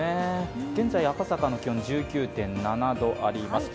現在、赤坂の気温１９．７度あります